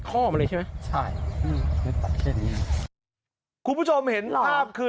คุณผู้ชมเห็นภาพคือ